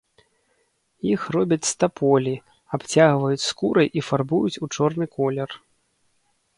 Іх робяць з таполі, абцягваюць скурай і фарбуюць у чорны колер.